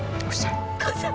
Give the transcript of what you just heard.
gak usah gak usah